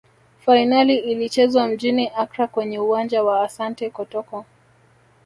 fainali ilichezwa mjini accra kwenye uwanja wa asante kotoko